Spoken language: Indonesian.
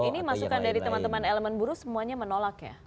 ini masukan dari teman teman elemen buruh semuanya menolak ya